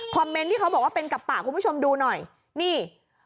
เมนต์ที่เขาบอกว่าเป็นกับปากคุณผู้ชมดูหน่อยนี่